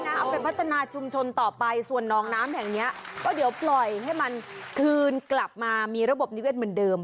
เอาไปพัฒนาชุมชนต่อไปส่วนน้องน้ำแห่งเนี้ยก็เดี๋ยวปล่อยให้มันคืนกลับมามีระบบนิเวศเหมือนเดิม